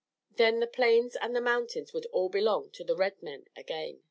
Then the Plains and the mountains would all belong to the red men again.